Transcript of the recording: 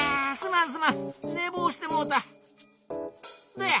どや？